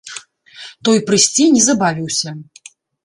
Той прыйсці не забавіўся.